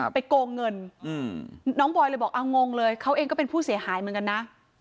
โกงเงินน้องบอยเลยบอกเอางงเลยเขาเองก็เป็นผู้เสียหายเหมือนกันนะ